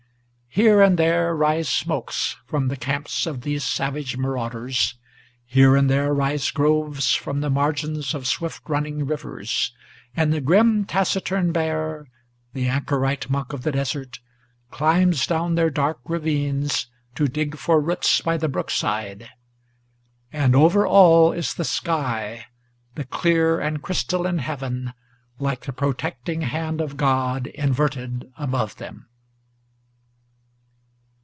Here and there rise smokes from the camps of these savage marauders; Here and there rise groves from the margins of swift running rivers; And the grim, taciturn bear, the anchorite monk of the desert, Climbs down their dark ravines to dig for roots by the brookside, And over all is the sky, the clear and crystalline heaven, Like the protecting hand of God inverted above them.